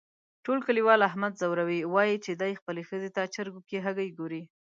ټول کلیوال احمد ځوروي، وایي چې دی خپلې ښځې ته چرگو کې هگۍ گوري.